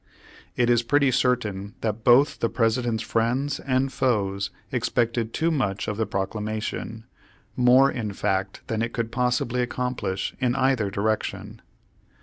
It is pretty certain that both the President's friends and foes expected too much of the Proclamation, more in fact than it could possibly accomplish in either direction.